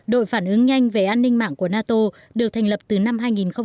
đội phản ứng nhanh về an ninh mạng của nato được thành lập từ năm hai nghìn một mươi ba